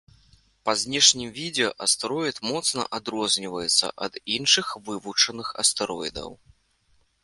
Па знешнім відзе астэроід моцна адрозніваецца ад іншых вывучаных астэроідаў.